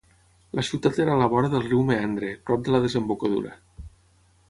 La ciutat era a la vora del riu Meandre, prop de la desembocadura.